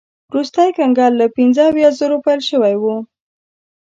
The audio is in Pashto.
وروستی کنګل له پنځه اویا زرو پیل شوی و.